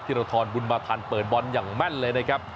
รทรบุญมาทันเปิดบอลอย่างแม่นเลยนะครับ